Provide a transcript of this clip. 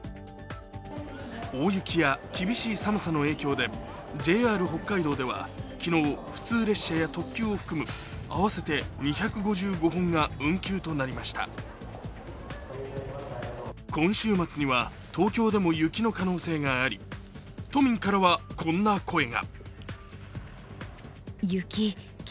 大雪や厳しい寒さの影響でＪＲ北海道では、昨日、普通列車や特急を含む合わせて２５５本が運休となりました今週末には東京でも雪の可能性があり、都民からはこんな声が。